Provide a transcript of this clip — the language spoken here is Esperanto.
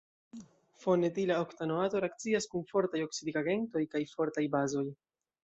Fenetila oktanoato reakcias kun fortaj oksidigagentoj kaj fortaj bazoj.